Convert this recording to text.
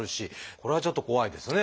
これはちょっと怖いですね。